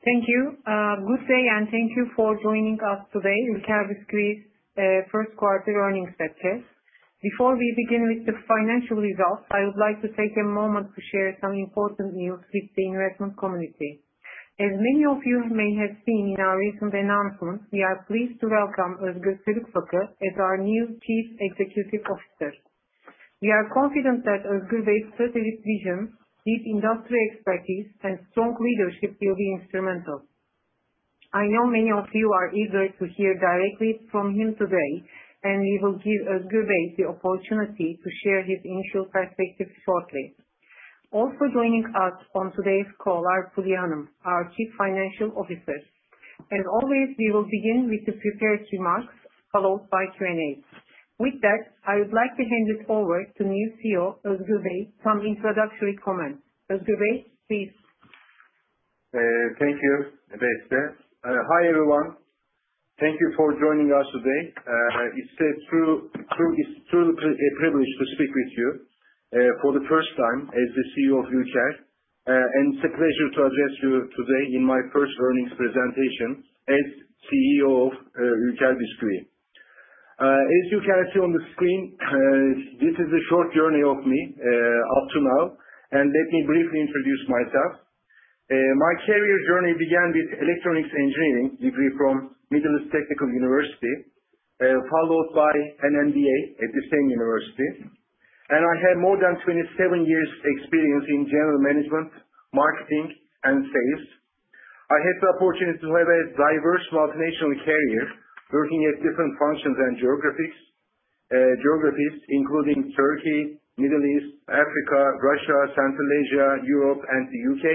Thank you. Good day, and thank you for joining us today in the Ülker Bisküvi's first quarter earnings session. Before we begin with the financial results, I would like to take a moment to share some important news with the investment community. As many of you may have seen in our recent announcement, we are pleased to welcome Özgür Kölükfakı as our new Chief Executive Officer. We are confident that Özgür Bey's strategic vision, deep industry expertise, and strong leadership will be instrumental. I know many of you are eager to hear directly from him today, and we will give Özgür Bey the opportunity to share his initial perspective shortly. Also joining us on today's call are Fulya Banu, our Chief Financial Officer. As always, we will begin with the prepared remarks, followed by Q&A. With that, I would like to hand it over to new CEO Özgür Bey for some introductory comments. Özgür Bey, please. Thank you, Beste. Hi everyone. Thank you for joining us today. It's truly a privilege to speak with you for the first time as the CEO of Ülker, and it's a pleasure to address you today in my first earnings presentation as CEO of Ülker Bisküvi. As you can see on the screen, this is a short journey of me up to now, and let me briefly introduce myself. My career journey began with electronics engineering degree from Middle East Technical University, followed by an MBA at the same university, and I have more than 27 years' experience in general management, marketing, and sales. I had the opportunity to have a diverse multinational career working at different functions and geographies, including Turkey, the Middle East, Africa, Russia, Central Asia, Europe, and the U.K.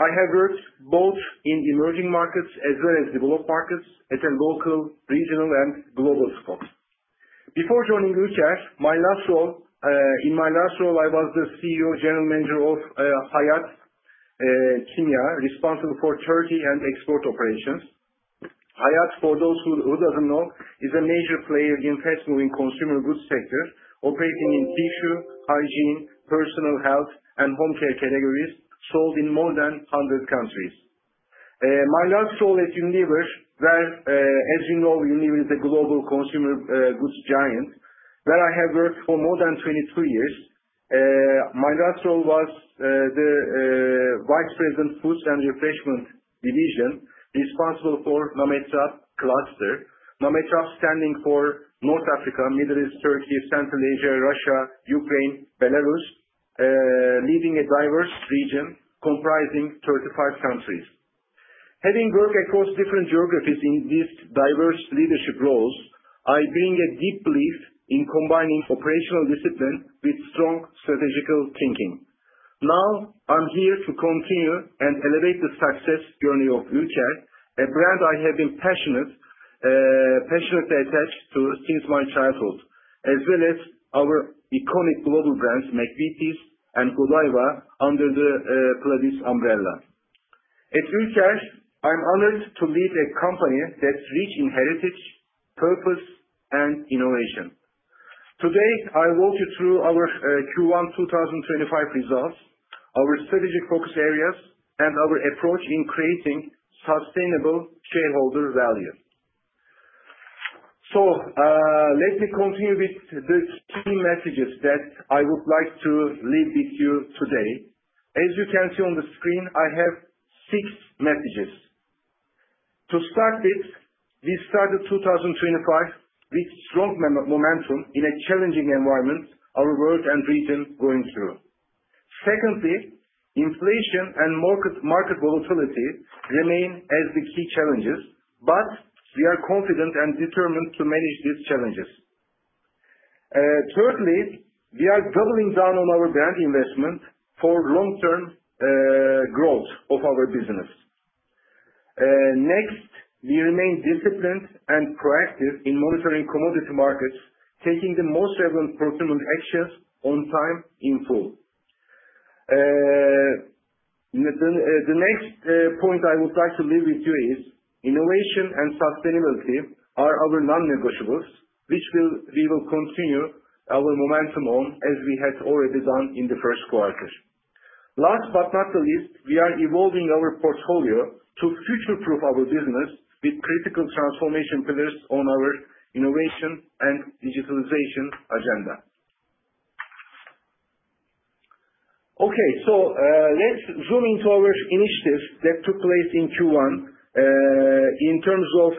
I have worked both in emerging markets as well as developed markets at a local, regional, and global scope. Before joining Ülker, in my last role, I was the CEO General Manager of Hayat Kimya, responsible for Turkey and export operations. Hayat, for those who don't know, is a major player in fast-moving consumer goods sector, operating in tissue, hygiene, personal health, and home care categories sold in more than 100 countries. My last role at Unilever, as you know, Unilever is a global consumer goods giant, where I have worked for more than 22 years. My last role was the Vice President Foods and Refreshment Division, responsible for Nometraf Cluster. Nometraf stands for North Africa, Middle East, Turkey, Central Asia, Russia, Ukraine, Belarus, leading a diverse region comprising 35 countries. Having worked across different geographies in these diverse leadership roles, I bring a deep belief in combining operational discipline with strong strategical thinking. Now, I'm here to continue and elevate the success journey of Ülker, a brand I have been passionately attached to since my childhood, as well as our iconic global brands, McVitie's and Godiva under the Pladis umbrella. At Ülker, I'm honored to lead a company that's rich in heritage, purpose, and innovation. Today, I walk you through our Q1 2025 results, our strategic focus areas, and our approach in creating sustainable shareholder value. Let me continue with the key messages that I would like to leave with you today. As you can see on the screen, I have six messages. To start with, we started 2025 with strong momentum in a challenging environment our world and region are going through. Secondly, inflation and market volatility remain as the key challenges, but we are confident and determined to manage these challenges. Thirdly, we are doubling down on our brand investment for long-term growth of our business. Next, we remain disciplined and proactive in monitoring commodity markets, taking the most relevant procurement actions on time and in full. The next point I would like to leave with you is innovation and sustainability are our non-negotiables, which we will continue our momentum on as we had already done in the first quarter. Last but not least, we are evolving our portfolio to future-proof our business with critical transformation pillars on our innovation and digitalization agenda. Okay, so let's zoom into our initiatives that took place in Q1 in terms of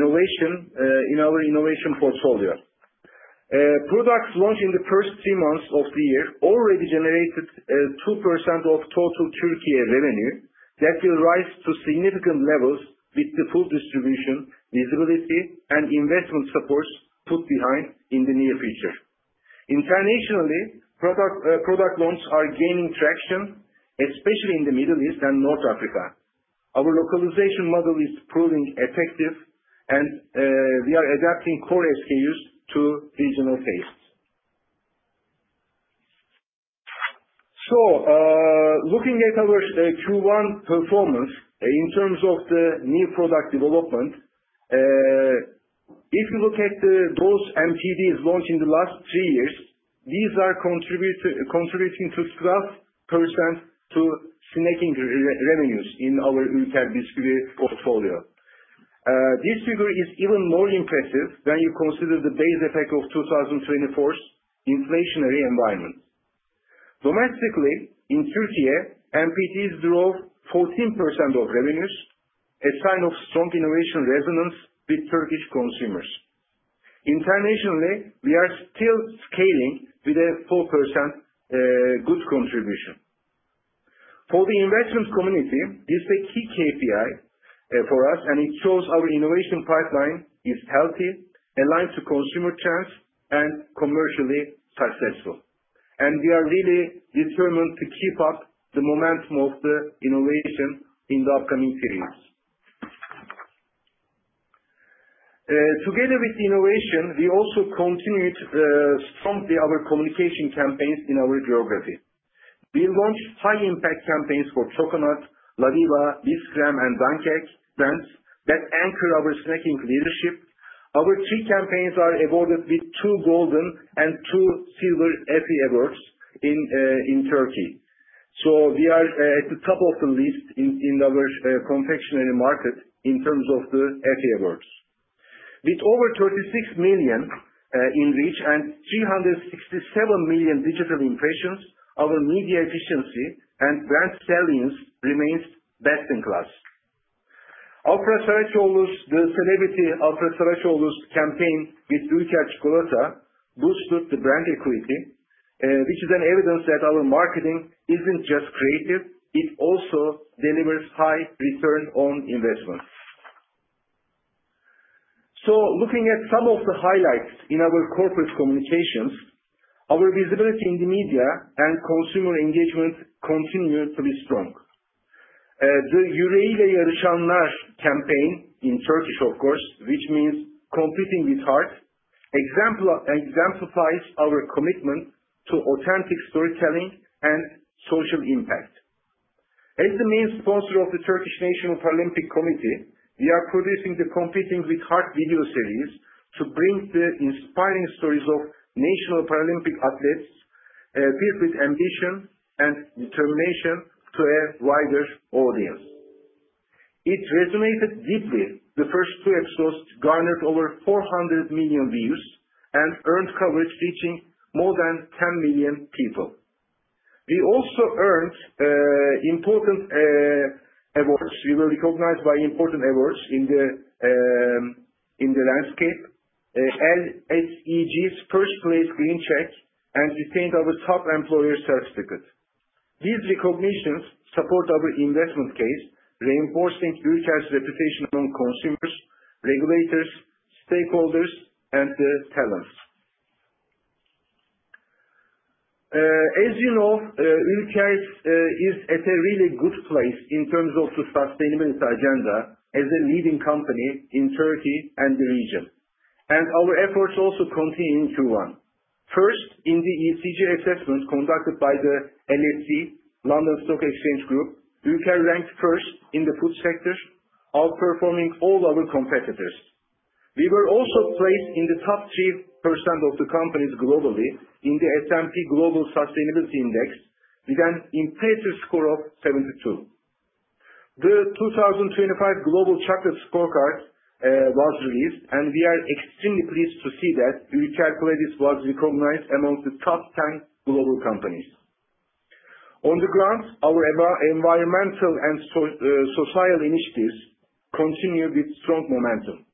innovation in our innovation portfolio. Products launched in the first three months of the year already generated 2% of total Türkiye revenue that will rise to significant levels with the full distribution, visibility, and investment supports put behind in the near future. Internationally, product launches are gaining traction, especially in the Middle East and North Africa. Our localization model is proving effective, and we are adapting core SKUs to regional tastes. Looking at our Q1 performance in terms of the new product development, if you look at those MPDs launched in the last three years, these are contributing to 12% to snacking revenues in our Ülker Bisküvi portfolio. This figure is even more impressive when you consider the base effect of 2024's inflationary environment. Domestically, in Türkiye, MPDs drove 14% of revenues, a sign of strong innovation resonance with Turkish consumers. Internationally, we are still scaling with a 4% good contribution. For the investment community, this is a key KPI for us, and it shows our innovation pipeline is healthy, aligned to consumer trends, and commercially successful. We are really determined to keep up the momentum of the innovation in the upcoming periods. Together with innovation, we also continued strongly our communication campaigns in our geography. We launched high-impact campaigns for Coconut, Ladybug, Beef Scramble, and Dunk Egg brands that anchor our snacking leadership. Our three campaigns are awarded with two golden and two silver EFI awards in Turkey. We are at the top of the list in our confectionery market in terms of the EFI awards. With over 36 million in reach and 367 million digital impressions, our media efficiency and brand salience remain best in class. Kırşan's, the celebrity Alp Kırşan's campaign with Ülker Çikolata boosted the brand equity, which is evidence that our marketing isn't just creative; it also delivers high return on investment. Looking at some of the highlights in our corporate communications, our visibility in the media and consumer engagement continue to be strong. The "Yüreğiyle Yarışanlar" campaign in Turkish, of course, which means "Competing with Heart," exemplifies our commitment to authentic storytelling and social impact. As the main sponsor of the Turkish National Paralympic Committee, we are producing the "Competing with Heart" video series to bring the inspiring stories of national paralympic athletes filled with ambition and determination to a wider audience. It resonated deeply; the first two episodes garnered over 400 million views and earned coverage reaching more than 10 million people. We also earned important awards. We were recognized by important awards in the landscape, LSEG's first place green check, and retained our top employer certificate. These recognitions support our investment case, reinforcing Ülker's reputation among consumers, regulators, stakeholders, and the talents. As you know, Ülker is at a really good place in terms of the sustainability agenda as a leading company in Turkey and the region, and our efforts also continue in Q1. First, in the ESG assessment conducted by the LSEG London Stock Exchange Group, Ülker ranked first in the food sector, outperforming all our competitors. We were also placed in the top 3% of the companies globally in the S&P Global Sustainability Index with an impressive score of 72. The 2025 Global Chocolate Scorecard was released, and we are extremely pleased to see that Ülker Pladis was recognized among the top 10 global companies. On the ground, our environmental and societal initiatives continue with strong momentum.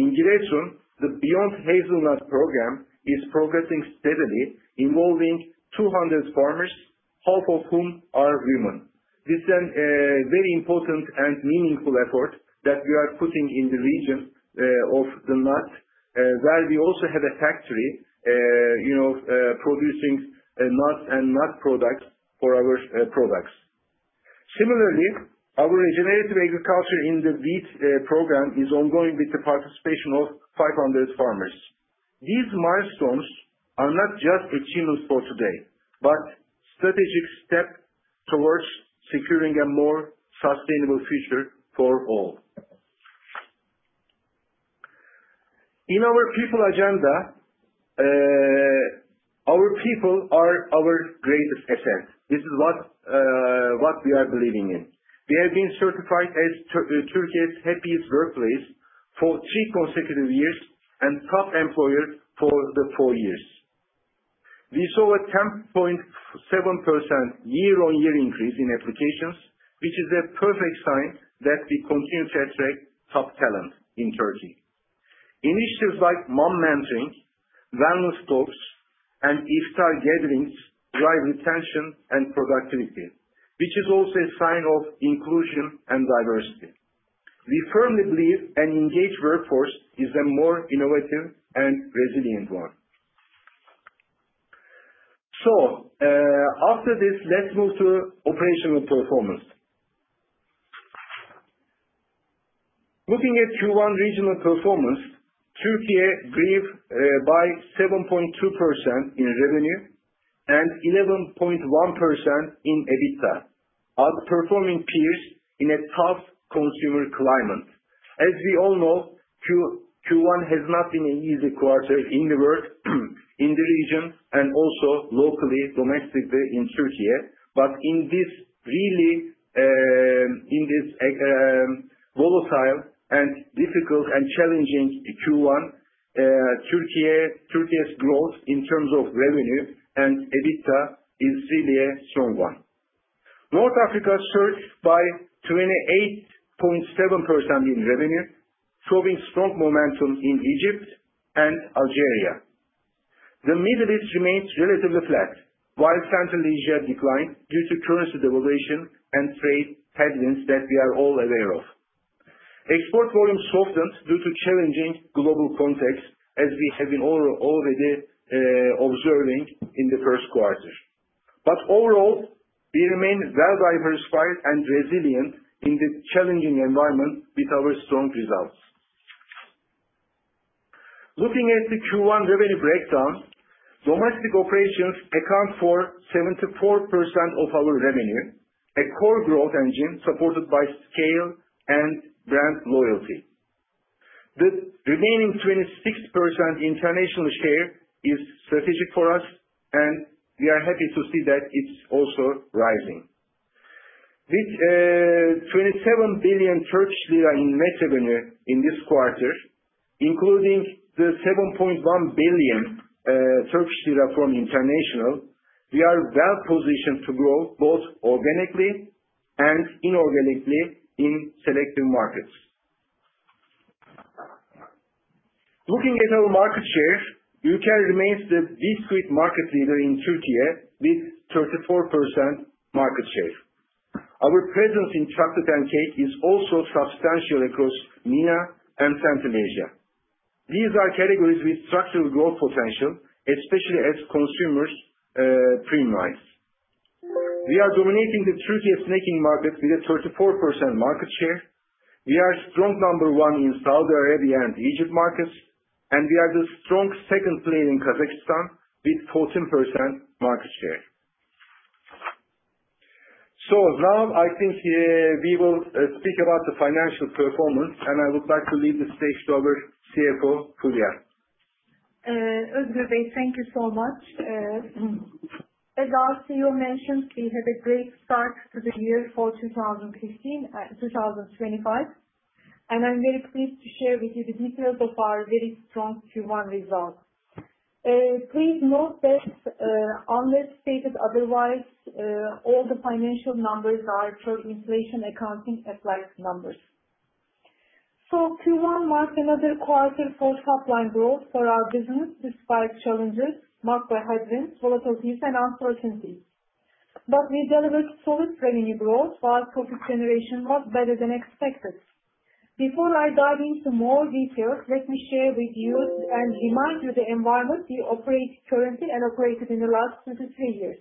In Giresun, the Beyond Hazelnut program is progressing steadily, involving 200 farmers, half of whom are women. This is a very important and meaningful effort that we are putting in the region of the nut, where we also have a factory producing nuts and nut products for our products. Similarly, our regenerative agriculture in the wheat program is ongoing with the participation of 500 farmers. These milestones are not just achievements for today, but strategic steps towards securing a more sustainable future for all. In our people agenda, our people are our greatest asset. This is what we are believing in. We have been certified as Türkiye's happiest workplace for three consecutive years and top employer for the four years. We saw a 10.7% year-on-year increase in applications, which is a perfect sign that we continue to attract top talent in Türkiye. Initiatives like mom mentoring, wellness talks, and iftar gatherings drive retention and productivity, which is also a sign of inclusion and diversity. We firmly believe an engaged workforce is a more innovative and resilient one. After this, let's move to operational performance. Looking at Q1 regional performance, Türkiye grew by 7.2% in revenue and 11.1% in EBITDA, outperforming peers in a tough consumer climate. As we all know, Q1 has not been an easy quarter in the world, in the region, and also locally, domestically in Türkiye. In this really volatile and difficult and challenging Q1, Türkiye's growth in terms of revenue and EBITDA is really a strong one. North Africa surged by 28.7% in revenue, showing strong momentum in Egypt and Algeria. The Middle East remained relatively flat, while Central Asia declined due to currency devaluation and trade headwinds that we are all aware of. Export volumes softened due to challenging global context, as we have been already observing in the first quarter. Overall, we remain well-diversified and resilient in the challenging environment with our strong results. Looking at the Q1 revenue breakdown, domestic operations account for 74% of our revenue, a core growth engine supported by scale and brand loyalty. The remaining 26% international share is strategic for us, and we are happy to see that it is also rising. With 27 billion Turkish lira in net revenue in this quarter, including 7.1 billion Turkish lira from international, we are well-positioned to grow both organically and inorganically in selective markets. Looking at our market share, Ülker remains the biscuit market leader in Turkey with 34% market share. Our presence in chocolate and cake is also substantial across MENA and Central Asia. These are categories with structural growth potential, especially as consumers' premium rise. We are dominating the Türkiye snacking market with a 34% market share. We are strong number one in Saudi Arabia and Egypt markets, and we are the strong second player in Kazakhstan with 14% market share. Now, I think we will speak about the financial performance, and I would like to leave the stage to our CFO, Fulya. Özgür Bey, thank you so much. As you mentioned, we had a great start to the year for 2025, and I'm very pleased to share with you the details of our very strong Q1 results. Please note that, unless stated otherwise, all the financial numbers are for inflation-accounting applied numbers. Q1 marked another quarter for top-line growth for our business, despite challenges marked by headwinds, volatilities, and uncertainties. We delivered solid revenue growth, while profit generation was better than expected. Before I dive into more details, let me share with you and remind you of the environment we operate currently and operated in the last two to three years.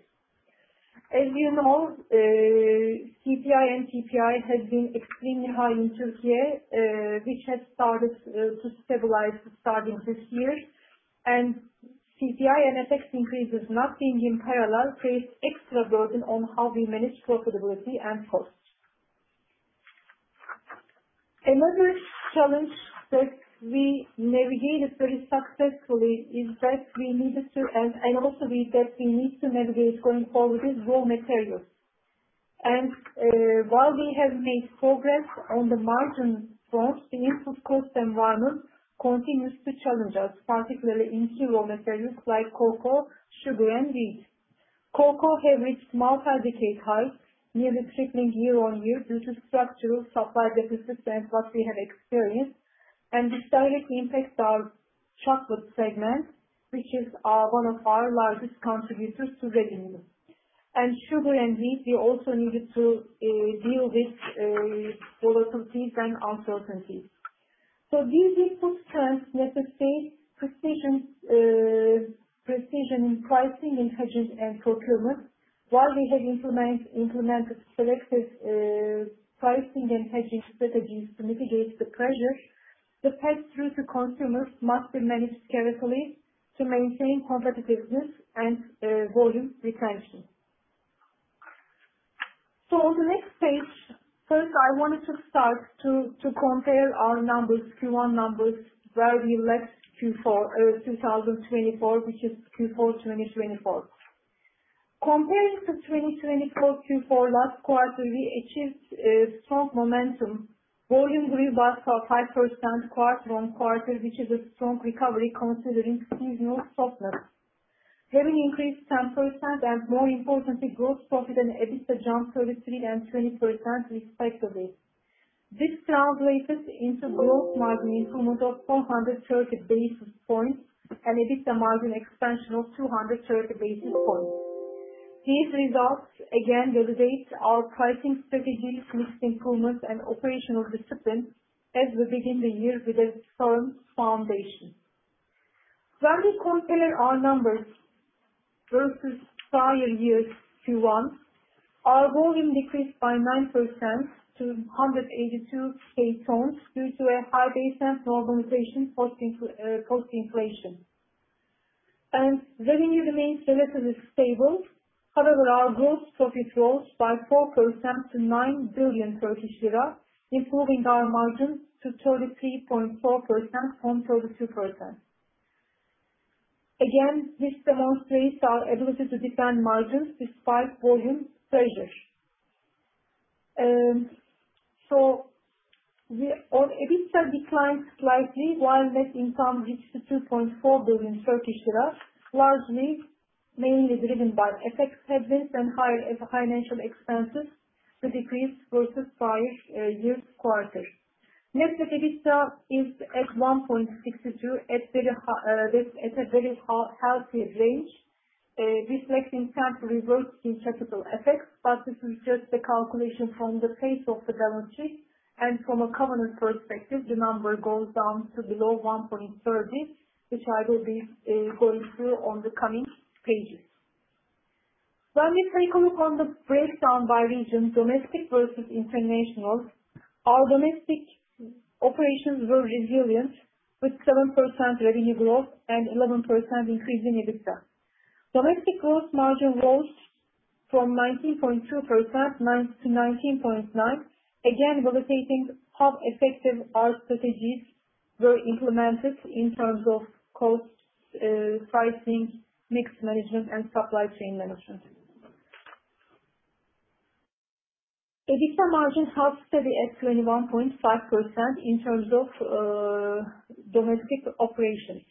As you know, CPI and PPI have been extremely high in Turkey, which has started to stabilize starting this year. CPI and FX increases, not being in parallel, create extra burden on how we manage profitability and costs. Another challenge that we navigated very successfully is that we needed to, and also that we need to navigate going forward, is raw materials. While we have made progress on the margin front, the input cost environment continues to challenge us, particularly in key raw materials like cocoa, sugar, and wheat. Cocoa has reached multi-decade highs, nearly tripling year-on-year due to structural supply deficits and what we have experienced, and this directly impacts our chocolate segment, which is one of our largest contributors to revenue. Sugar and wheat, we also needed to deal with volatilities and uncertainties. These input trends necessitate precision in pricing, and hedging, and procurement. While we have implemented selective pricing and hedging strategies to mitigate the pressures, the path through to consumers must be managed carefully to maintain competitiveness and volume retention. On the next page, first, I wanted to start to compare our numbers, Q1 numbers, where we left Q4 2024, which is Q4 2024. Comparing to 2024 Q4 last quarter, we achieved strong momentum. Volume grew by 5% quarter-on-quarter, which is a strong recovery considering seasonal softness. Having increased 10% and, more importantly, gross profit and EBITDA jumped 33% and 20% respectively. This translated into gross margin improvement of 430 basis points and EBITDA margin expansion of 230 basis points. These results, again, validate our pricing strategy, mixed improvements, and operational discipline as we begin the year with a firm foundation. When we compare our numbers versus prior year's Q1, our volume decreased by 9% to 182,000 tons due to a high baseline normalization post-inflation. Revenue remains relatively stable. However, our gross profit rose by 4% to 9 billion Turkish lira, improving our margin to 33.4% from 32%. Again, this demonstrates our ability to defend margins despite volume pressure. EBITDA declined slightly, while net income reached 2.4 billion Turkish lira, largely mainly driven by FX headwinds and higher financial expenses to decrease versus prior year's quarter. Net net, EBITDA is at 1.62 billion, at a very healthy range, reflecting temporary working capital effects, but this is just the calculation from the pace of the balance sheet. From a governance perspective, the number goes down to below 1.30, which I will be going through on the coming pages. When we take a look on the breakdown by region, domestic versus international, our domestic operations were resilient with 7% revenue growth and 11% increase in EBITDA. Domestic gross margin rose from 19.2%-19.9%, again validating how effective our strategies were implemented in terms of cost, pricing, mix management, and supply chain management. EBITDA margin has stayed at 21.5% in terms of domestic operations.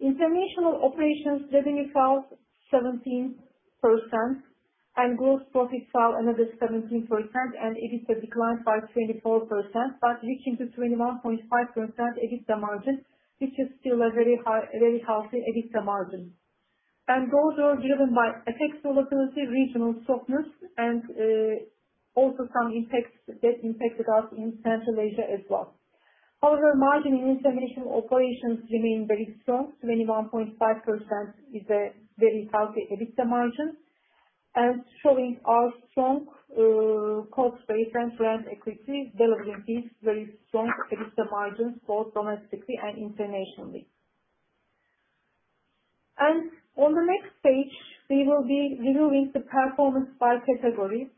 International operations revenue fell 17%, and gross profit fell another 17%, and EBITDA declined by 24%, but reaching to 21.5% EBITDA margin, which is still a very healthy EBITDA margin. Those were driven by FX volatility, regional softness, and also some impacts that impacted us in Central Asia as well. However, margin in international operations remained very strong. 21.5% is a very healthy EBITDA margin, and showing our strong cost-based and brand equity, delivering these very strong EBITDA margins both domestically and internationally. On the next page, we will be reviewing the performance by category.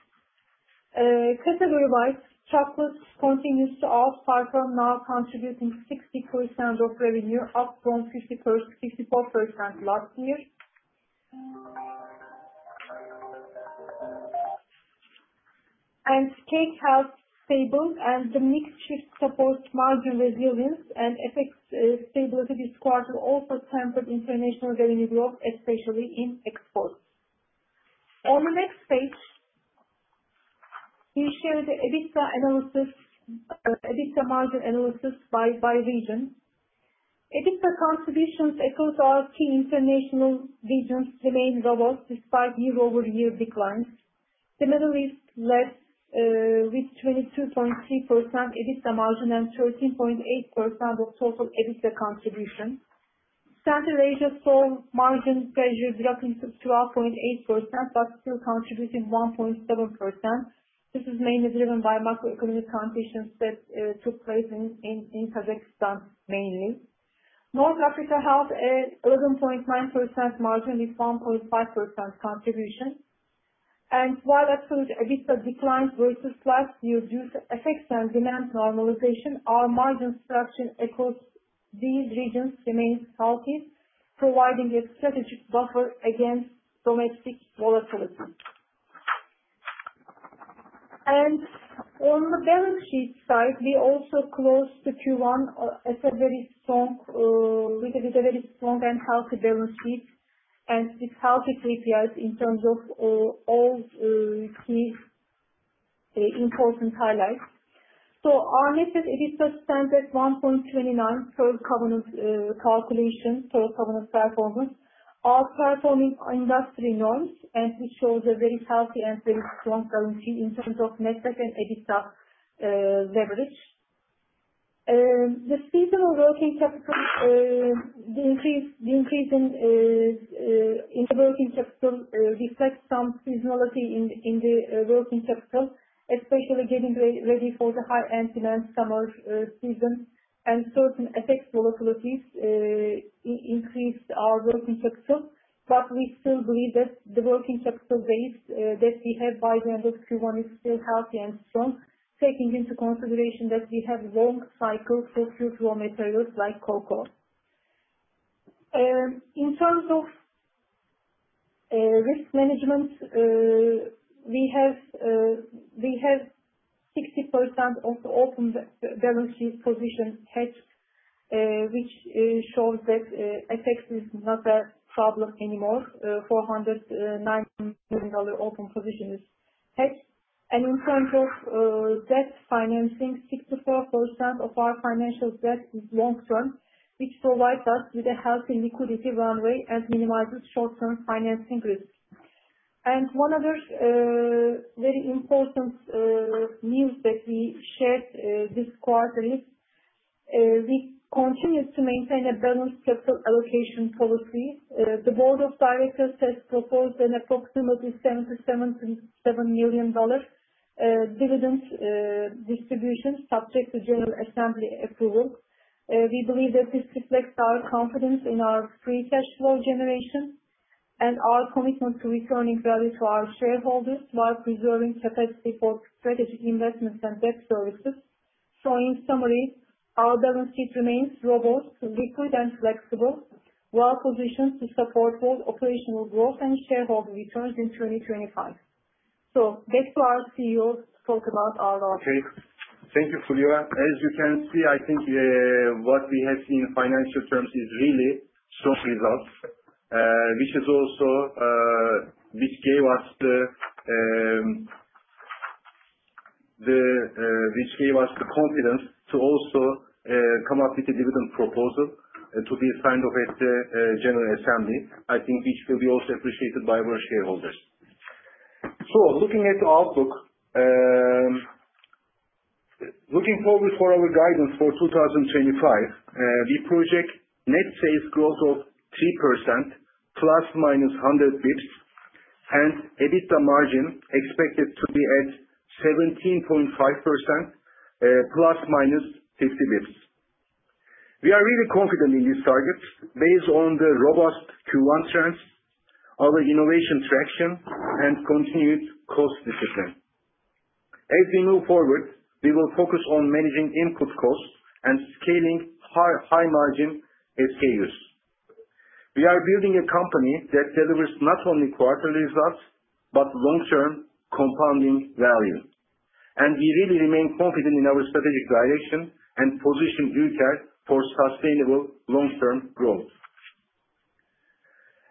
Category-wise, chocolate continues to outperform, now contributing 60% of revenue, up from 54% last year. Cake has stabilized, and the mixed shift supports margin resilience, and FX stability this quarter also tempered international revenue growth, especially in exports. On the next page, we shared EBITDA analysis, EBITDA margin analysis by region. EBITDA contributions across our key international regions remain robust despite year-over-year declines. The Middle East led with 22.3% EBITDA margin and 13.8% of total EBITDA contribution. Central Asia saw margin pressure dropping to 12.8%, but still contributing 1.7%. This is mainly driven by macroeconomic conditions that took place in Kazakhstan mainly. North Africa held an 11.9% margin with 1.5% contribution. While absolute EBITDA declined versus last year, due to FX and demand normalization, our margin structure across these regions remains healthy, providing a strategic buffer against domestic volatility. On the balance sheet side, we also closed the Q1 with a very strong and healthy balance sheet and with healthy KPIs in terms of all key important highlights. Our net net EBITDA stands at 1.29 per governance calculation, per governance performance, outperforming industry norms, and it shows a very healthy and very strong balance sheet in terms of net net and EBITDA leverage. The seasonal working capital, the increase in the working capital reflects some seasonality in the working capital, especially getting ready for the high-end demand summer season. Certain FX volatilities increased our working capital, but we still believe that the working capital base that we have by the end of Q1 is still healthy and strong, taking into consideration that we have a long cycle for future raw materials like cocoa. In terms of risk management, we have 60% of the open balance sheet position hedged, which shows that FX is not a problem anymore. $490 million open position is hedged. In terms of debt financing, 64% of our financial debt is long-term, which provides us with a healthy liquidity runway and minimizes short-term financing risk. One other very important news that we shared this quarter is we continue to maintain a balanced capital allocation policy. The board of directors has proposed an approximately $77 million dividend distribution subject to General Assembly approval. We believe that this reflects our confidence in our free cash flow generation and our commitment to returning value to our shareholders while preserving capacity for strategic investments and debt services. In summary, our balance sheet remains robust, liquid, and flexible, well-positioned to support both operational growth and shareholder returns in 2025. Back to our CEO to talk about our outlook. Okay. Thank you, Fulya. As you can see, I think what we have seen in financial terms is really strong results, which also gave us the confidence to come up with a dividend proposal to be signed off at the General Assembly, which will be appreciated by our shareholders. Looking at the outlook, looking forward for our guidance for 2025, we project net sales growth of 3% ±100 basis points, and EBITDA margin expected to be at 17.5% ±50 basis points. We are really confident in these targets based on the robust Q1 trends, our innovation traction, and continued cost discipline. As we move forward, we will focus on managing input costs and scaling high-margin SKUs. We are building a company that delivers not only quarterly results but long-term compounding value. We really remain confident in our strategic direction and position Ülker for sustainable long-term growth.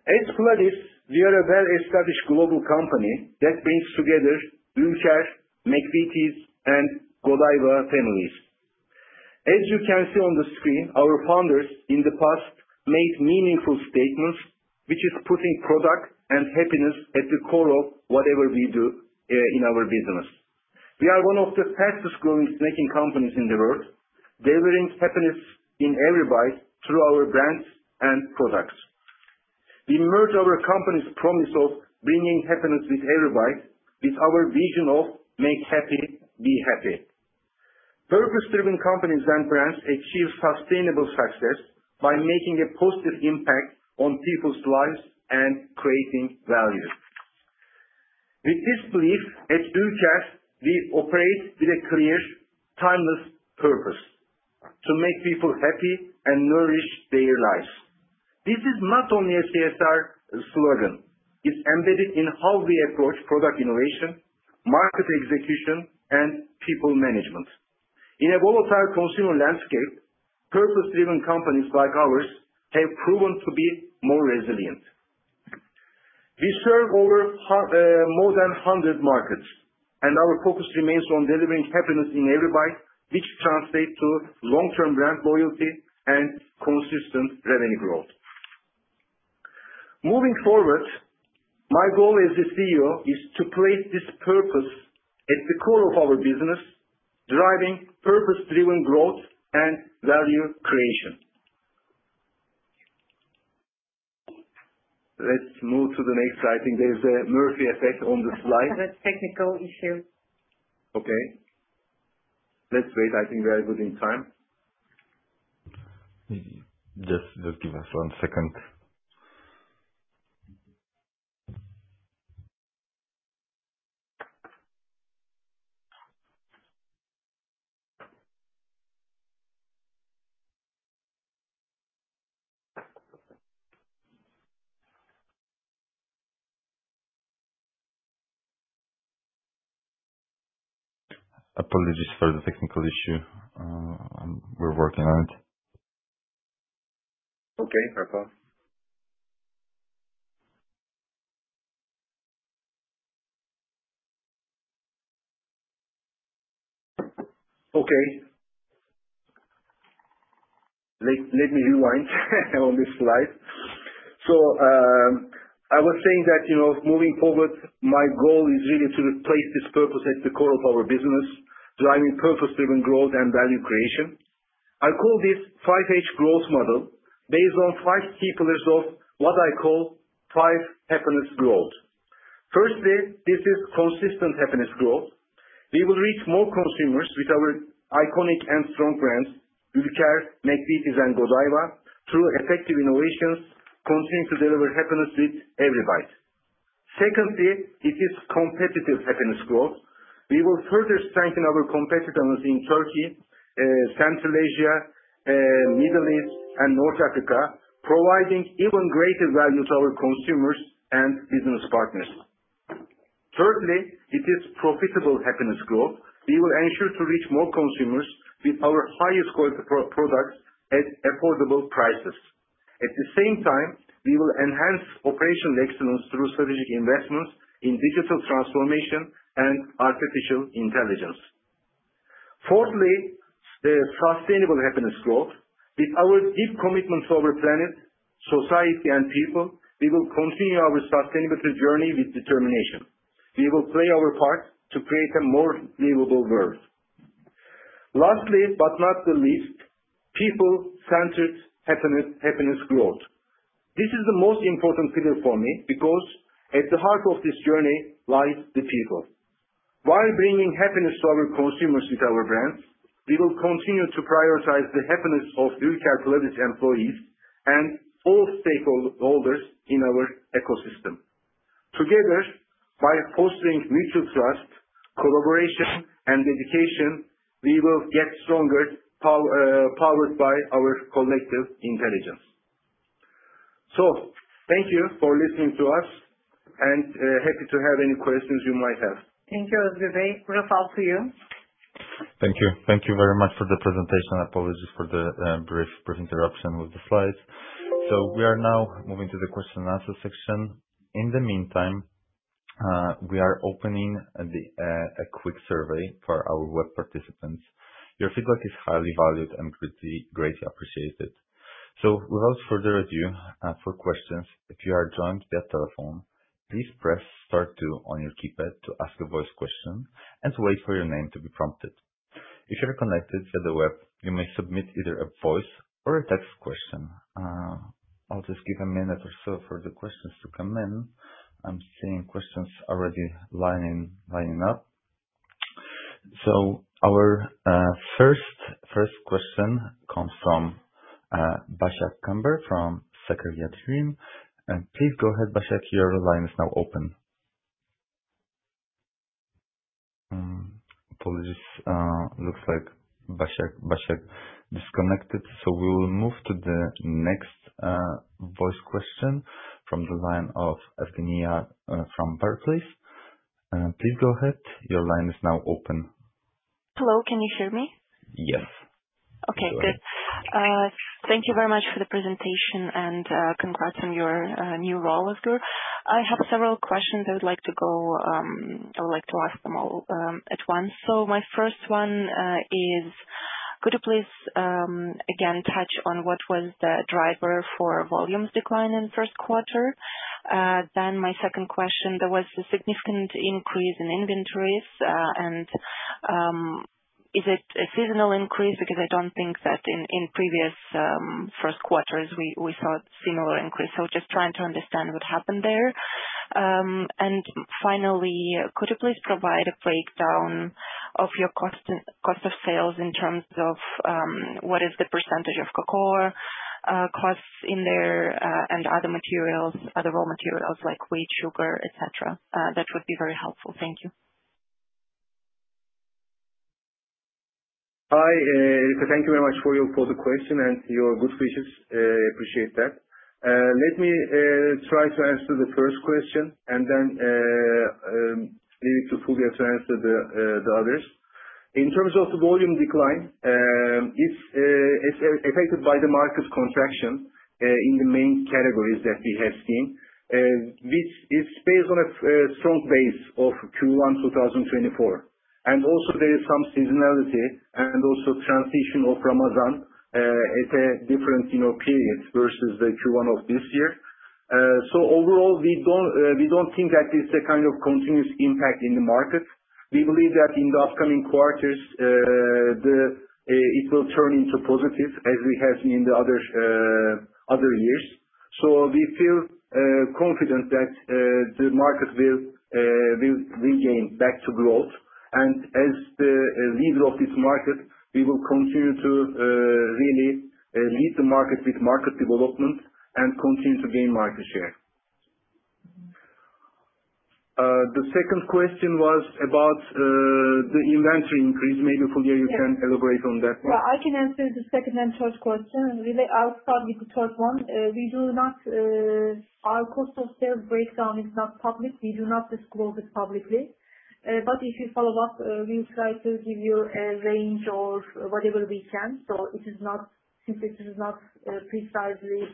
As Pladis, we are a well-established global company that brings together Ülker, McVitie's, and Godiva families. As you can see on the screen, our founders in the past made meaningful statements, which is putting product and happiness at the core of whatever we do in our business. We are one of the fastest-growing snacking companies in the world, delivering happiness in everybody through our brands and products. We merge our company's promise of bringing happiness with everybody with our vision of make happy, be happy. Purpose-driven companies and brands achieve sustainable success by making a positive impact on people's lives and creating value. With this belief at Ülker, we operate with a clear, timeless purpose to make people happy and nourish their lives. This is not only a CSR slogan. It's embedded in how we approach product innovation, market execution, and people management. In a volatile consumer landscape, purpose-driven companies like ours have proven to be more resilient. We serve over more than 100 markets, and our focus remains on delivering happiness in everybody, which translates to long-term brand loyalty and consistent revenue growth. Moving forward, my goal as the CEO is to place this purpose at the core of our business, driving purpose-driven growth and value creation. Let's move to the next. I think there is a Murphy effect on the slide. There's a technical issue. Okay. Let's wait. I think we are good in time. Just give us one second. Apologies for the technical issue. We're working on it. Okay. No problem. Okay. Let me rewind on this slide. I was saying that moving forward, my goal is really to place this purpose at the core of our business, driving purpose-driven growth and value creation. I call this 5H growth model based on five key pillars of what I call 5Happiness Growth. Firstly, this is consistent happiness growth. We will reach more consumers with our iconic and strong brands, Ülker, McVitie's, and Godiva, through effective innovations, continuing to deliver happiness with everybody. Secondly, it is competitive happiness growth. We will further strengthen our competitiveness in Turkey, Central Asia, the Middle East, and North Africa, providing even greater value to our consumers and business partners. Thirdly, it is profitable happiness growth. We will ensure to reach more consumers with our highest-quality products at affordable prices. At the same time, we will enhance operational excellence through strategic investments in digital transformation and artificial intelligence. Fourthly, sustainable happiness growth. With our deep commitment to our planet, society, and people, we will continue our sustainability journey with determination. We will play our part to create a more livable world. Lastly, but not the least, people-centered happiness growth. This is the most important pillar for me because at the heart of this journey lies the people. While bringing happiness to our consumers with our brands, we will continue to prioritize the happiness of Ülker Bisküvi employees and all stakeholders in our ecosystem. Together, by fostering mutual trust, collaboration, and dedication, we will get stronger powered by our collective intelligence. Thank you for listening to us, and happy to have any questions you might have. Thank you, Özgür Bey. We will pass to you. Thank you. Thank you very much for the presentation. Apologies for the brief interruption with the slides. We are now moving to the question-and-answer section. In the meantime, we are opening a quick survey for our web participants. Your feedback is highly valued and greatly appreciated. Without further ado, for questions, if you are joined via telephone, please press star two on your keypad to ask a voice question and wait for your name to be prompted. If you're connected via the web, you may submit either a voice or a text question. I'll just give a minute or so for the questions to come in. I'm seeing questions already lining up. Our first question comes from Basha Kömber from Sakaryad Hülym. Please go ahead, Basha. Your line is now open. Apologies, looks like Basha disconnected. We will move to the next voice question from the line of Evgeniya from Barclays. Please go ahead. Your line is now open. Hello. Can you hear me? Yes. Okay. Good. Thank you very much for the presentation and congrats on your new role, Özgür. I have several questions I would like to go, I would like to ask them all at once. My first one is, could you please, again, touch on what was the driver for volumes decline in first quarter? My second question, there was a significant increase in inventories. Is it a seasonal increase? I do not think that in previous first quarters, we saw a similar increase. Just trying to understand what happened there. Finally, could you please provide a breakdown of your cost of sales in terms of what is the percentage of cocoa costs in there and other materials, other raw materials like wheat, sugar, etc.? That would be very helpful. Thank you. Hi. Thank you very much, Fulya, for the question and your good wishes. I appreciate that. Let me try to answer the first question and then leave it to Fulya to answer the others. In terms of the volume decline, it's affected by the market contraction in the main categories that we have seen, which is based on a strong base of Q1 2024. There is also some seasonality and also transition of Ramadan at a different period versus the Q1 of this year. Overall, we do not think that there is a kind of continuous impact in the market. We believe that in the upcoming quarters, it will turn into positive as we have seen in the other years. We feel confident that the market will regain back to growth. As the leader of this market, we will continue to really lead the market with market development and continue to gain market share. The second question was about the inventory increase. Maybe, Fulya, you can elaborate on that. Yeah. I can answer the second and third question. I'll start with the third one. Our cost of sales breakdown is not public. We do not disclose it publicly. If you follow-up, we'll try to give you a range of whatever we can. It is not simply, this is not precisely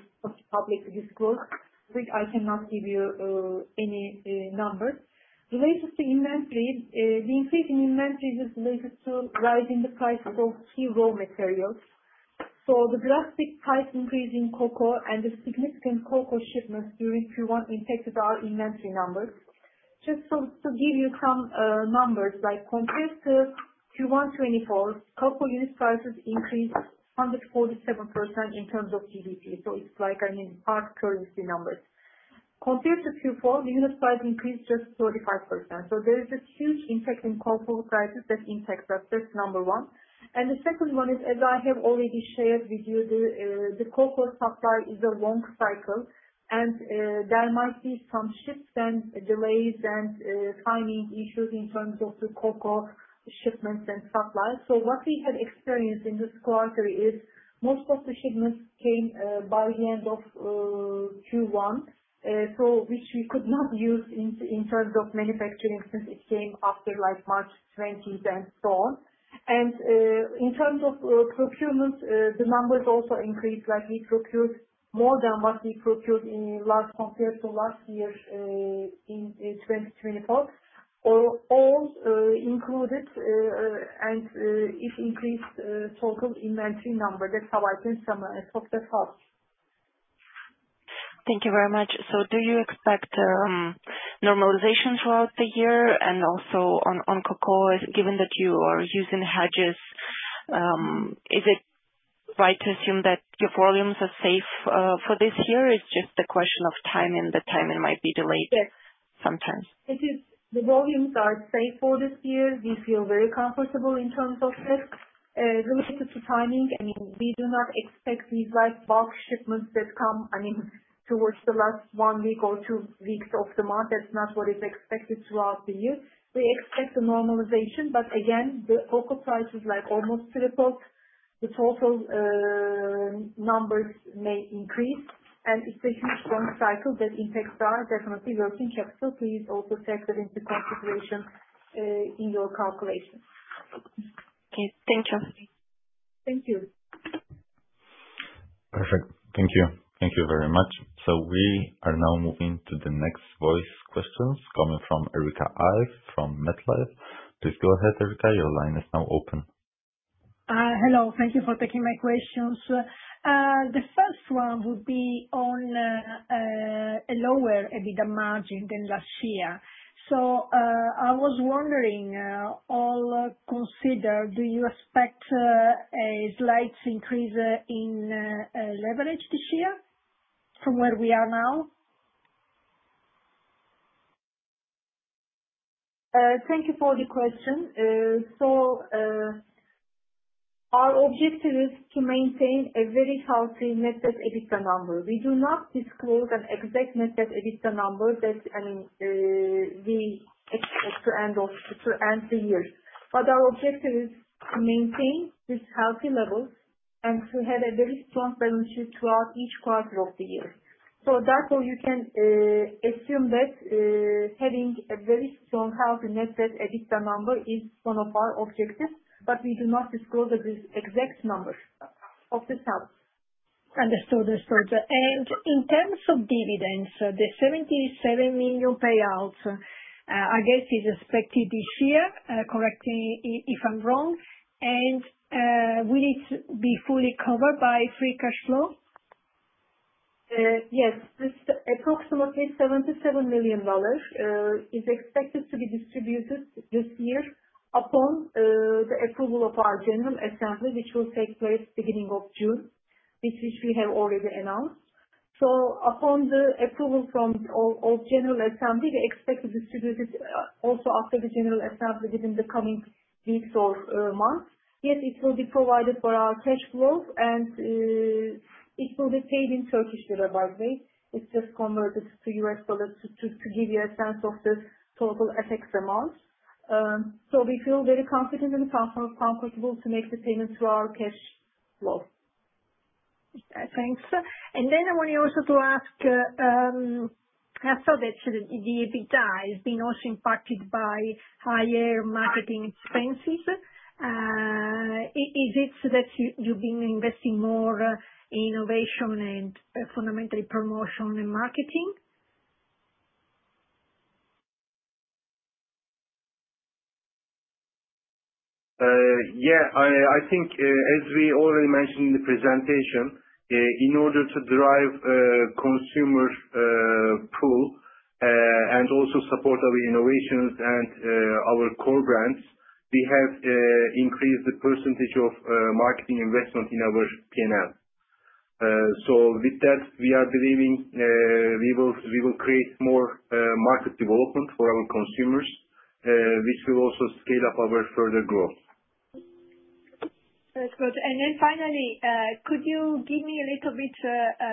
publicly disclosed, which I cannot give you any numbers. Related to inventory, the increase in inventory is related to rising the prices of key raw materials. The drastic price increase in cocoa and the significant cocoa shipments during Q1 impacted our inventory numbers. Just to give you some numbers, compared to Q1 2024, cocoa unit prices increased 147% in terms of GDP. It is like an in-part currency number. Compared to Q4, the unit price increased just 35%. There is a huge impact in cocoa prices that impacts us. That's number one. The second one is, as I have already shared with you, the cocoa supply is a long cycle, and there might be some shifts and delays and timing issues in terms of the cocoa shipments and supplies. What we have experienced in this quarter is most of the shipments came by the end of Q1, which we could not use in terms of manufacturing since it came after March 20 and so on. In terms of procurement, the numbers also increased. We procured more than what we procured last compared to last year in 2024, all included, and it increased total inventory number. That's how I can summarize what that was. Thank you very much. Do you expect normalization throughout the year? Also on cocoa, given that you are using hedges, is it right to assume that your volumes are safe for this year? It's just a question of timing, and the timing might be delayed sometimes. Yes. The volumes are safe for this year. We feel very comfortable in terms of this. Related to timing, we do not expect these bulk shipments that come towards the last one week or two weeks of the month. That is not what is expected throughout the year. We expect a normalization. Again, the cocoa price is almost tripled. The total numbers may increase. It is a huge growth cycle that impacts our definitely working capital. Please also take that into consideration in your calculation. Okay. Thank you. Thank you. Perfect. Thank you. Thank you very much. We are now moving to the next voice questions coming from Erica Ive from Metlife. Please go ahead, Erica. Your line is now open. Hello. Thank you for taking my questions. The first one would be on a lower EBITDA margin than last year. I was wondering, all considered, do you expect a slight increase in leverage this year from where we are now? Thank you for the question. Our objective is to maintain a very healthy net EBITDA number. We do not disclose an exact net EBITDA number that we expect to end the year. Our objective is to maintain this healthy level and to have a very strong balance sheet throughout each quarter of the year. Therefore, you can assume that having a very strong, healthy net EBITDA number is one of our objectives. We do not disclose the exact number of this health. Understood. Understood. In terms of dividends, the $77 million payout, I guess, is expected this year, correct me if I'm wrong. Will it be fully covered by free cash flow? Yes. Approximately $77 million is expected to be distributed this year upon the approval of our General Assembly, which will take place beginning of June, which we have already announced. Upon the approval from our General Assembly, we expect to distribute it also after the General Assembly within the coming weeks or months. Yes, it will be provided for by our cash flow, and it will be paid in Turkish lira, by the way. It is just converted to US dollars to give you a sense of the total FX amount. We feel very confident and comfortable to make the payment through our cash flow. Thanks. And then I wanted also to ask, I saw that the EBITDA has been also impacted by higher marketing expenses. Is it that you've been investing more in innovation and fundamentally promotion and marketing? Yeah. I think, as we already mentioned in the presentation, in order to drive consumer pull and also support our innovations and our core brands, we have increased the percentage of marketing investment in our P&L. With that, we are believing we will create more market development for our consumers, which will also scale up our further growth. That's good. Finally, could you give me a little bit,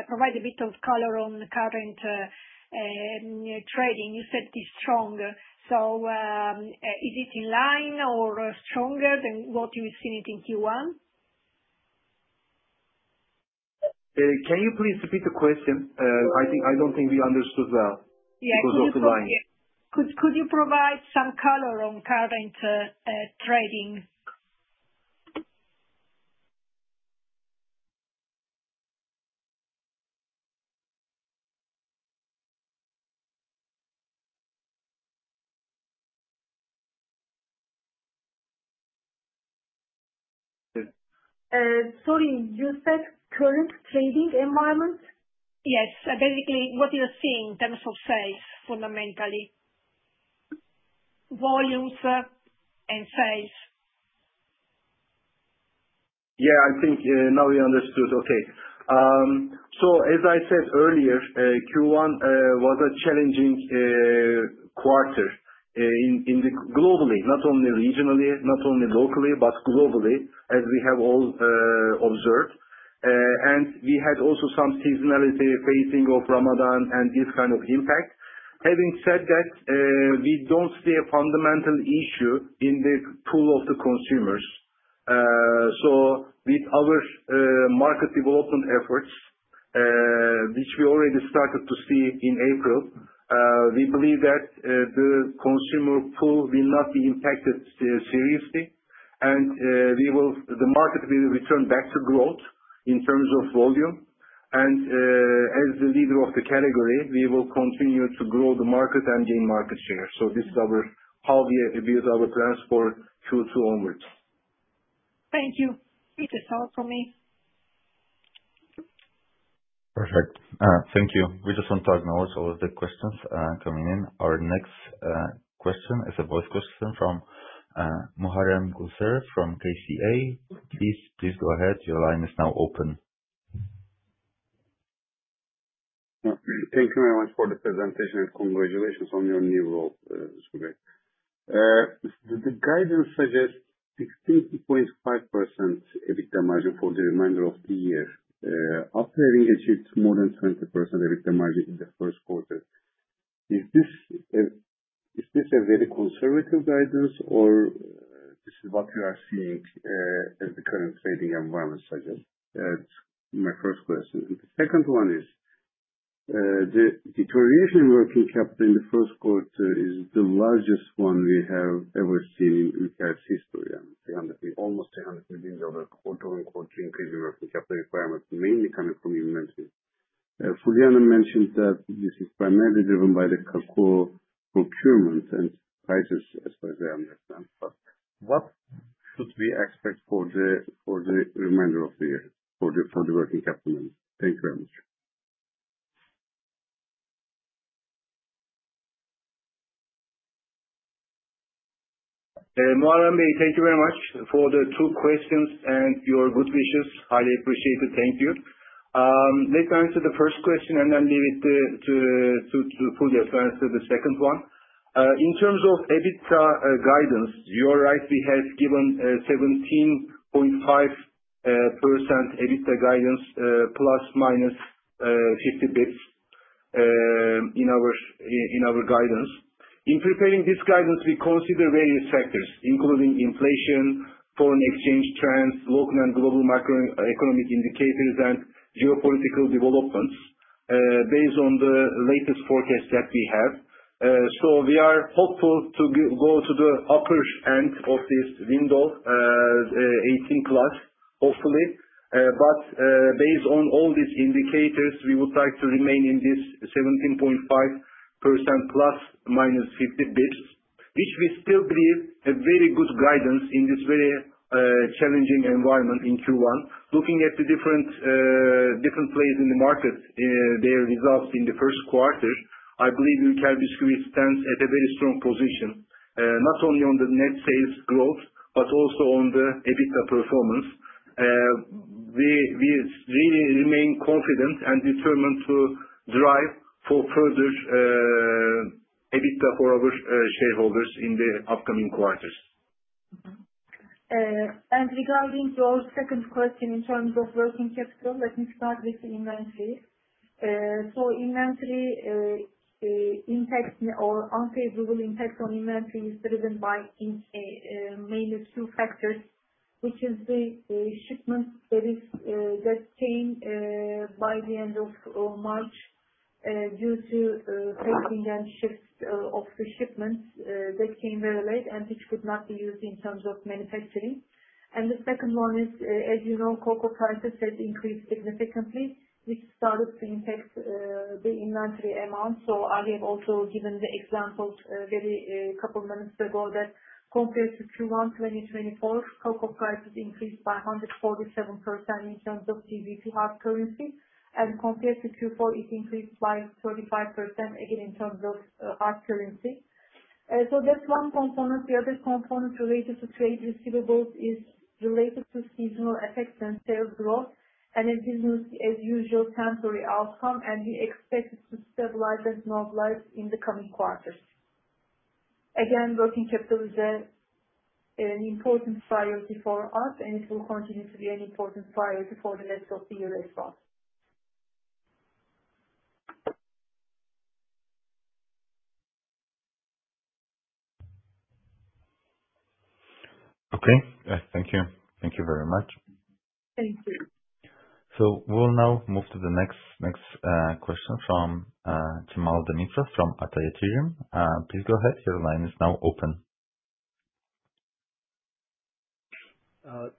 provide a bit of color on current trading? You said it is strong. Is it in line or stronger than what you've seen in Q1? Can you please repeat the question? I don't think we understood well because of the line. Yeah. Could you provide some color on current trading? Sorry. You said current trading environment? Yes. Basically, what you're seeing in terms of sales, fundamentally, volumes, and sales. Yeah. I think now we understood. Okay. As I said earlier, Q1 was a challenging quarter globally, not only regionally, not only locally, but globally, as we have all observed. We had also some seasonality facing of Ramadan and this kind of impact. Having said that, we do not see a fundamental issue in the pool of the consumers. With our market development efforts, which we already started to see in April, we believe that the consumer pool will not be impacted seriously. The market will return back to growth in terms of volume. As the leader of the category, we will continue to grow the market and gain market share. This is how we build our plans for Q2 onwards. Thank you. It's all from me. Perfect. Thank you. We just want to acknowledge all of the questions coming in. Our next question is a voice question from Muharrem Gulsever from KCA. Please go ahead. Your line is now open. Thank you very much for the presentation and congratulations on your new role, Özgür. The guidance suggests 16.5% EBITDA margin for the remainder of the year, operating achieved more than 20% EBITDA margin in the first quarter. Is this a very conservative guidance, or this is what we are seeing as the current trading environment suggests? That's my first question. The second one is, the deterioration in working capital in the first quarter is the largest one we have ever seen in Ülker's history, almost 300. Within the other quarter-on-quarter increase in working capital requirements, mainly coming from inventory. Fulya mentioned that this is primarily driven by the cocoa procurement and prices, as far as I understand. What should we expect for the remainder of the year for the working capital? Thank you very much. Muharrem Bey, thank you very much for the two questions and your good wishes. Highly appreciate it. Thank you. Let me answer the first question and then leave it to Fulya to answer the second one. In terms of EBITDA guidance, you are right. We have given 17.5% EBITDA guidance, ±50 basis points in our guidance. In preparing this guidance, we consider various factors, including inflation, foreign exchange trends, local and global macroeconomic indicators, and geopolitical developments based on the latest forecast that we have. We are hopeful to go to the upper end of this window, 18%+, hopefully. Based on all these indicators, we would like to remain in this 17.5% ±50 basis points, which we still believe is a very good guidance in this very challenging environment in Q1. Looking at the different plays in the market, their results in the first quarter, I believe Ülker Bisküvi stands at a very strong position, not only on the net sales growth, but also on the EBITDA performance. We really remain confident and determined to drive for further EBITDA for our shareholders in the upcoming quarters. Regarding your second question in terms of working capital, let me start with the inventory. Inventory impact or unfavorable impact on inventory is driven by mainly two factors, which is the shipment that came by the end of March due to facing and shifts of the shipments that came very late and which could not be used in terms of manufacturing. The second one is, as you know, cocoa prices have increased significantly, which started to impact the inventory amount. I have also given the example a couple of minutes ago that compared to Q1 2024, cocoa prices increased by 147% in terms of GDP, hard currency. Compared to Q4, it increased by 35% again in terms of hard currency. That is one component. The other component related to trade receivables is related to seasonal effects and sales growth and a business, as usual, temporary outcome. We expect it to stabilize and normalize in the coming quarters. Again, working capital is an important priority for us, and it will continue to be an important priority for the rest of the year as well. Okay. Thank you. Thank you very much. Thank you. We will now move to the next question from Jamal Demitra from Atayatirium. Please go ahead. Your line is now open.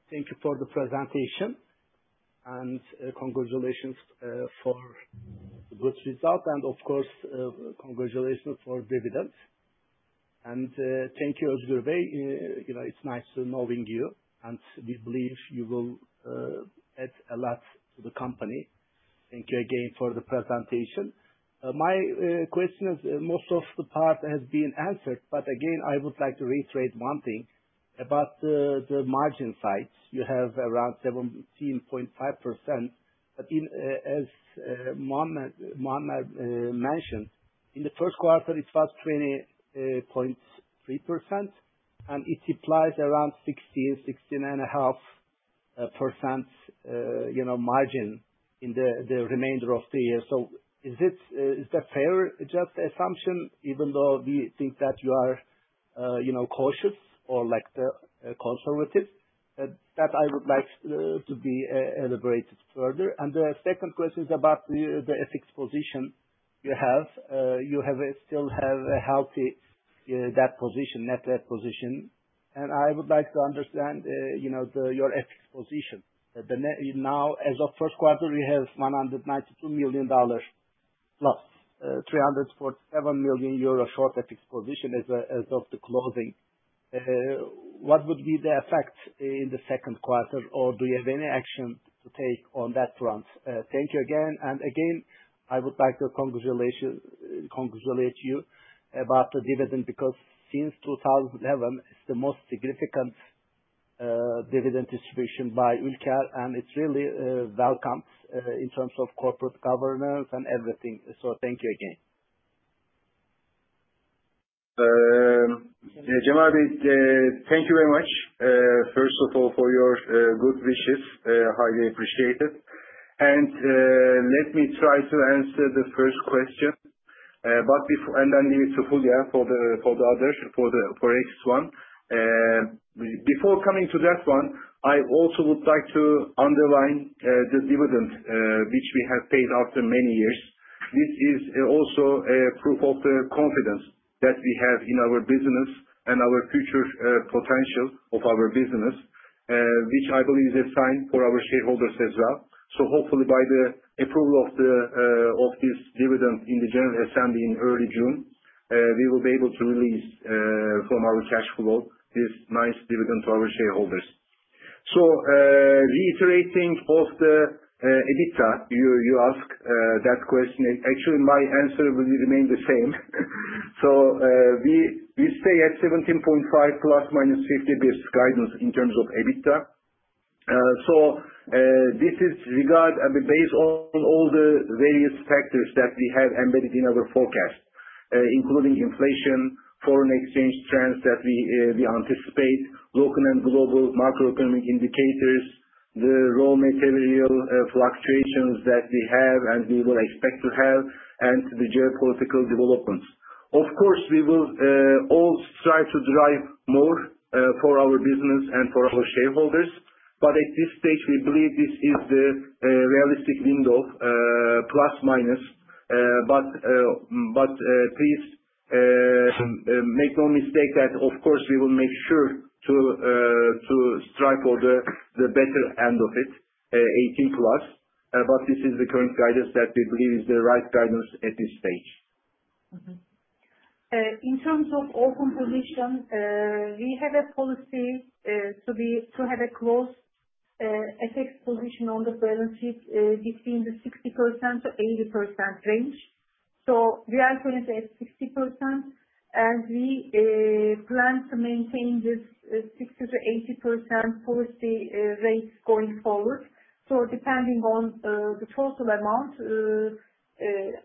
Thank you for the presentation and congratulations for the good result. And of course, congratulations for dividends. And thank you, Özgür Bey. It's nice knowing you. And we believe you will add a lot to the company. Thank you again for the presentation. My question is, most of the part has been answered. But again, I would like to reiterate one thing about the margin side. You have around 17.5%. But as Muhammer mentioned, in the first quarter, it was 20.3%. It implies around 16%-16.5% margin in the remainder of the year. Is that a fair assumption, even though we think that you are cautious or conservative? I would like that to be elaborated further. The second question is about the FX position you have. You still have a healthy net position. I would like to understand your FX position. As of the first quarter, you have $192 million+ 347 million euro short FX position as of the closing. What would be the effect in the second quarter, or do you have any action to take on that front? Thank you again. I would like to congratulate you about the dividend because since 2011, it is the most significant dividend distribution by Ülker. It really welcomes in terms of corporate governance and everything. Thank you again. Jamal Bey, thank you very much, first of all, for your good wishes. Highly appreciate it. Let me try to answer the first question. Then leave it to Fulya for the next one. Before coming to that one, I also would like to underline the dividend, which we have paid after many years. This is also proof of the confidence that we have in our business and our future potential of our business, which I believe is a sign for our shareholders as well. Hopefully, by the approval of this dividend in the General Assembly in early June, we will be able to release from our cash flow this nice dividend to our shareholders. Reiterating on the EBITDA, you asked that question. Actually, my answer will remain the same. We stay at 17.5% ±50 basis points guidance in terms of EBITDA. This is regard based on all the various factors that we have embedded in our forecast, including inflation, foreign exchange trends that we anticipate, local and global macroeconomic indicators, the raw material fluctuations that we have and we will expect to have, and the geopolitical developments. Of course, we will all strive to drive more for our business and for our shareholders. At this stage, we believe this is the realistic window, plus minus. Please make no mistake that, of course, we will make sure to strive for the better end of it, 18%+. This is the current guidance that we believe is the right guidance at this stage. In terms of open position, we have a policy to have a closed FX position on the balance sheet between the 60%-80% range. We are currently at 60%. We plan to maintain this 60%-80% policy rate going forward. Depending on the total amount,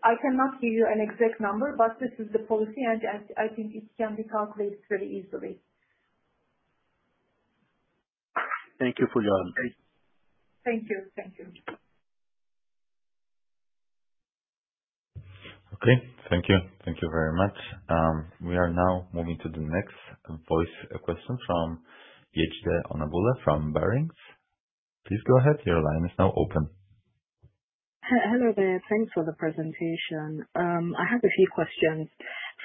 I cannot give you an exact number, but this is the policy. I think it can be calculated very easily. Thank you, Fulya. Thank you. Thank you. Okay. Thank you. Thank you very much. We are now moving to the next voice question from Yejide Onabule from Barings. Please go ahead. Your line is now open. Hello, there. Thanks for the presentation. I have a few questions.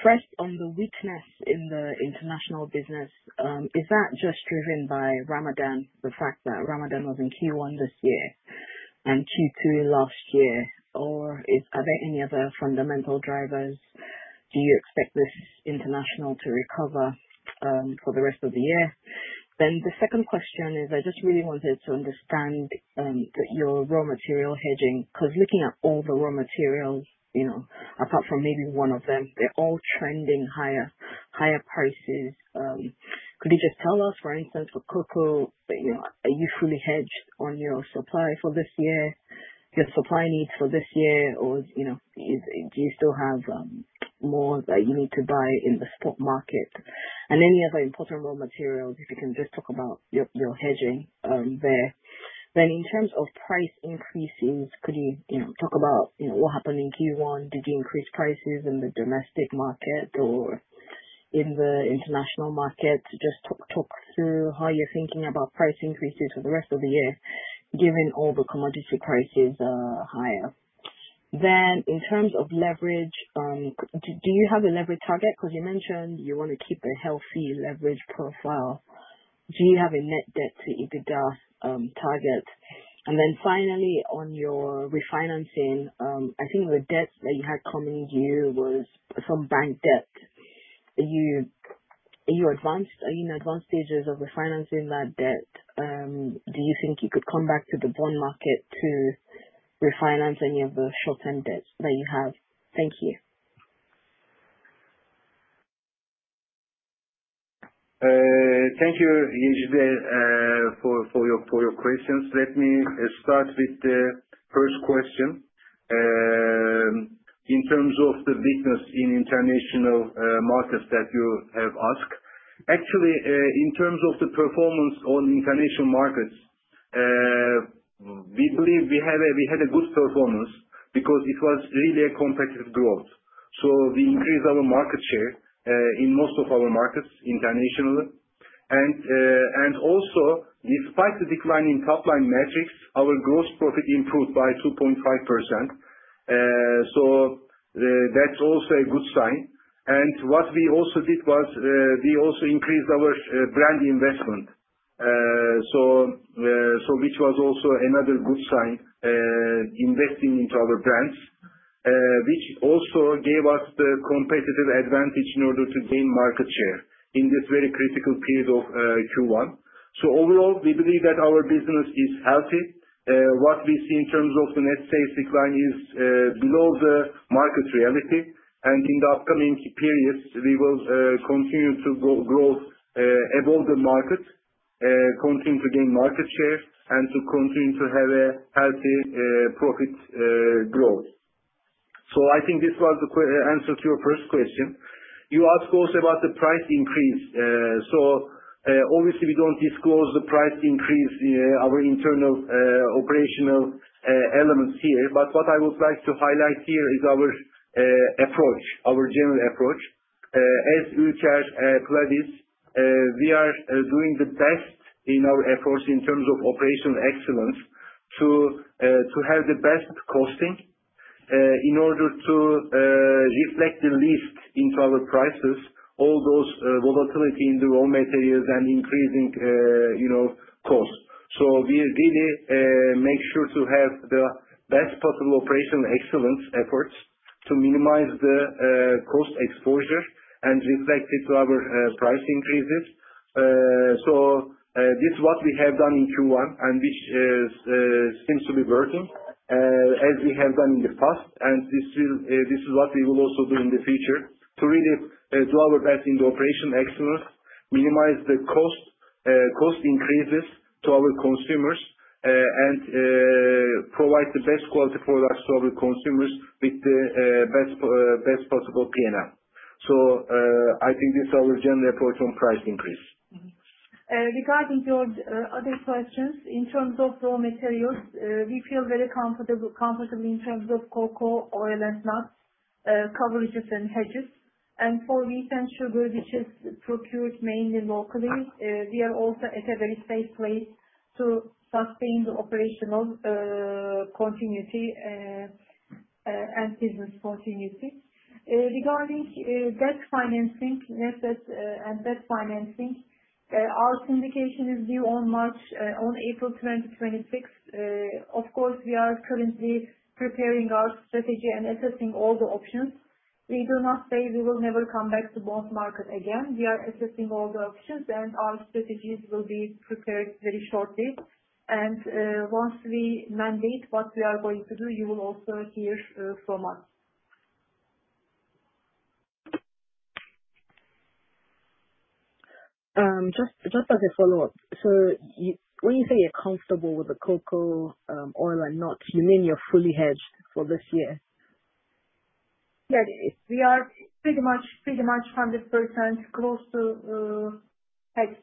First, on the weakness in the international business, is that just driven by Ramadan, the fact that Ramadan was in Q1 this year and Q2 last year? Or are there any other fundamental drivers? Do you expect this international to recover for the rest of the year? The second question is, I just really wanted to understand your raw material hedging because looking at all the raw materials, apart from maybe one of them, they're all trending higher, higher prices. Could you just tell us, for instance, for cocoa, are you fully hedged on your supply for this year, your supply needs for this year, or do you still have more that you need to buy in the spot market? Any other important raw materials, if you can just talk about your hedging there. In terms of price increases, could you talk about what happened in Q1? Did you increase prices in the domestic market or in the international market? Just talk through how you're thinking about price increases for the rest of the year, given all the commodity prices are higher. In terms of leverage, do you have a leverage target? Because you mentioned you want to keep a healthy leverage profile. Do you have a net debt-to-EBITDA target? And then finally, on your refinancing, I think the debt that you had coming due was some bank debt. Are you in advanced stages of refinancing that debt? Do you think you could come back to the bond market to refinance any of the short-term debts that you have? Thank you. Thank you, Yejide, for your questions. Let me start with the first question. In terms of the weakness in international markets that you have asked, actually, in terms of the performance on international markets, we believe we had a good performance because it was really a competitive growth. We increased our market share in most of our markets internationally. Also, despite the decline in top-line metrics, our gross profit improved by 2.5%. That is also a good sign. What we also did was we also increased our brand investment, which was also another good sign, investing into our brands, which also gave us the competitive advantage in order to gain market share in this very critical period of Q1. Overall, we believe that our business is healthy. What we see in terms of the net sales decline is below the market reality. In the upcoming periods, we will continue to grow above the market, continue to gain market share, and to continue to have a healthy profit growth. I think this was the answer to your first question. You asked also about the price increase. Obviously, we do not disclose the price increase, our internal operational elements here. What I would like to highlight here is our approach, our general approach. As Ülker pledges, we are doing the best in our efforts in terms of operational excellence to have the best costing in order to reflect the least into our prices, all those volatility in the raw materials and increasing cost. We really make sure to have the best possible operational excellence efforts to minimize the cost exposure and reflect it to our price increases. This is what we have done in Q1, which seems to be working as we have done in the past. This is what we will also do in the future to really do our best in the operational excellence, minimize the cost increases to our consumers, and provide the best quality products to our consumers with the best possible P&L. I think this is our general approach on price increase. Regarding your other questions, in terms of raw materials, we feel very comfortable in terms of cocoa, oil, and nuts, coverages, and hedges. For wheat and sugar, which is procured mainly locally, we are also at a very safe place to sustain the operational continuity and business continuity. Regarding debt financing, our syndication is due on April 2026. Of course, we are currently preparing our strategy and assessing all the options. We do not say we will never come back to bond market again. We are assessing all the options, and our strategies will be prepared very shortly. Once we mandate what we are going to do, you will also hear from us. Just as a follow-up, when you say you're comfortable with the cocoa, oil, and nuts, you mean you're fully hedged for this year? Yes. We are pretty much 100% close to hedged,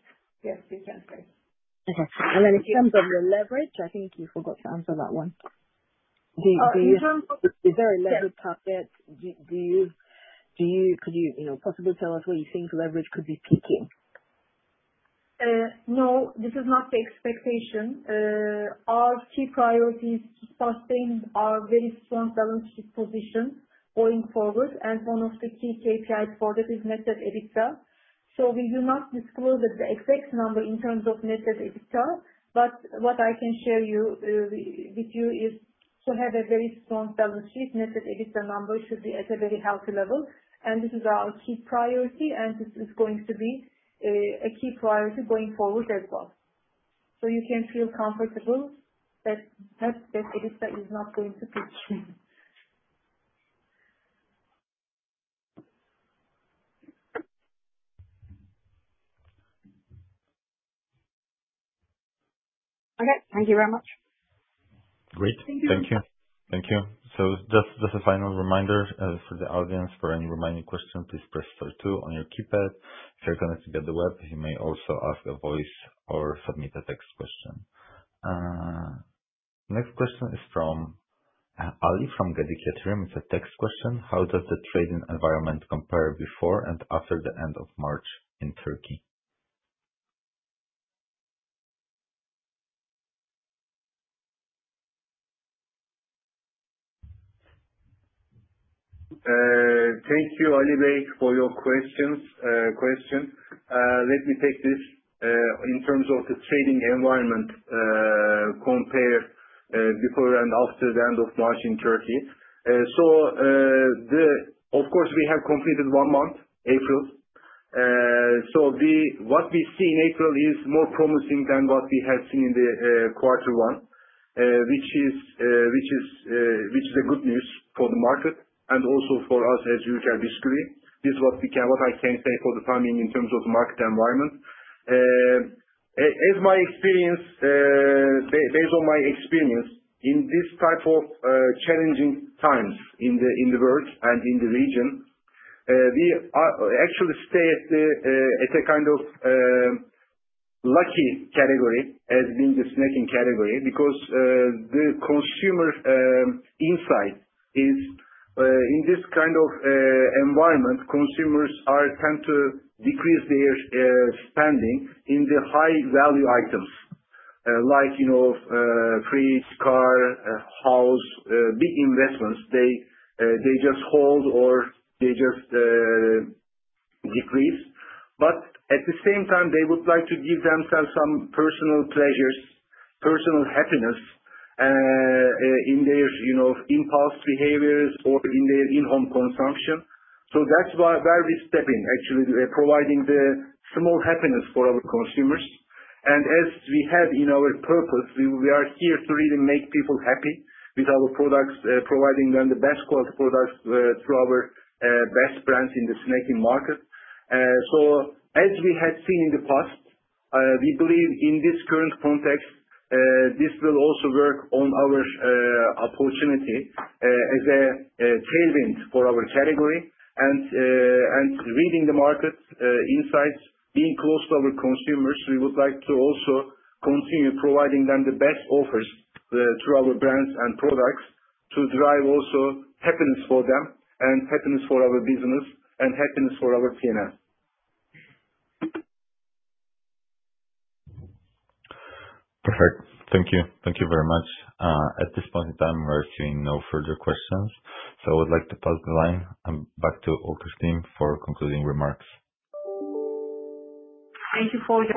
yes, you can say. Okay. In terms of the leverage, I think you forgot to answer that one. Do you have a very leverage target? Could you possibly tell us where you think leverage could be peaking? No, this is not the expectation. Our key priorities to sustain are very strong balance sheet positions going forward. One of the key KPIs for that is net debt to EBITDA. We do not disclose the exact number in terms of net debt to EBITDA. What I can share with you is to have a very strong balance sheet. Net debt to EBITDA number should be at a very healthy level. This is our key priority. This is going to be a key priority going forward as well. You can feel comfortable that net debt to EBITDA is not going to peak. Okay. Thank you very much. Great. Thank you. Thank you. Thank you. Just a final reminder for the audience, for any remaining question, please press star two on your keypad. If you're connected to the web, you may also ask a voice or submit a text question. Next question is from Ali from Gedik Yatırım. It's a text question. How does the trading environment compare before and after the end of March in Turkey? Thank you, Ali Bey, for your question. Let me take this in terms of the trading environment compared before and after the end of March in Turkey. Of course, we have completed one month, April. What we see in April is more promising than what we have seen in quarter one, which is good news for the market and also for us as Ülker Bisküvi. This is what I can say for the timing in terms of the market environment. Based on my experience in this type of challenging times in the world and in the region, we actually stay at a kind of lucky category, as being the snacking category, because the consumer insight is in this kind of environment, consumers tend to decrease their spending in the high-value items like fridge, car, house, big investments. They just hold or they just decrease. At the same time, they would like to give themselves some personal pleasures, personal happiness in their impulse behaviors or in their in-home consumption. That is where we step in, actually, providing the small happiness for our consumers. As we have in our purpose, we are here to really make people happy with our products, providing them the best quality products through our best brands in the snacking market. As we had seen in the past, we believe in this current context, this will also work on our opportunity as a tailwind for our category. Reading the market insights, being close to our consumers, we would like to also continue providing them the best offers through our brands and products to drive also happiness for them and happiness for our business and happiness for our P&L. Perfect. Thank you. Thank you very much. At this point in time, we are seeing no further questions. I would like to pass the line back to Olga's team for concluding remarks. Thank you.